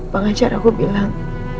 pengacara aku bilang